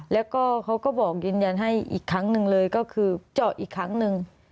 แล้วก็เขาก็บอกยืนยันให้อีกครั้งหนึ่งเลยก็คือเจาะอีกครั้งหนึ่ง